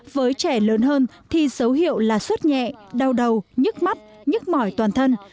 với trẻ lớn hơn thì dấu hiệu là suốt nhẹ đau đầu nhức mắt nhức mỏi toàn thân